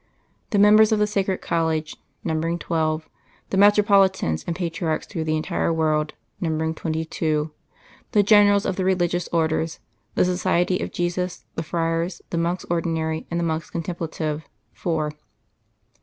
The members of the Sacred College, numbering twelve; the metropolitans and Patriarchs through the entire world, numbering twenty two; the Generals of the Religious Orders: the Society of Jesus, the Friars, the Monks Ordinary, and the Monks Contemplative four.